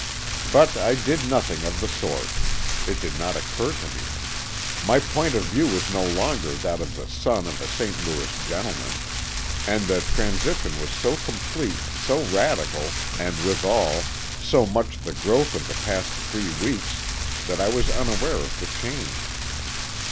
But I did nothing of the sort. It did not occur to me. My point of view was no longer that of the son of a St. Louis gentleman. And the transition was so complete, so radical, and withal, so much the growth of the past three weeks, that I was unaware of the change.